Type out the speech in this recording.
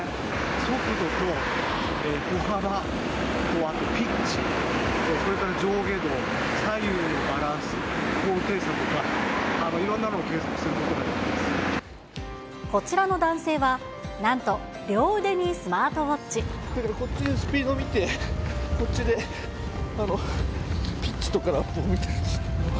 速度と歩幅、あとピッチ、それから上下動、左右のバランス、高低差とか、いろんなのを計測すこちらの男性は、こっちでスピード見て、こっちでピッチとかラップを見てるんです。